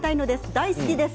大好きです！